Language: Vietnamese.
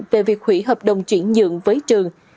về việc hủy hợp đồng chuyển nhượng với trường